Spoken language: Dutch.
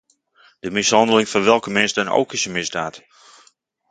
De mishandeling van welke mens dan ook is een misdaad.